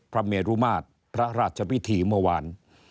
เมรุมาตรพระราชพิธีเมื่อวาน